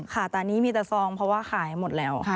ค่ะแต่อันนี้มีแต่ซองเพราะว่าขายหมดแล้ว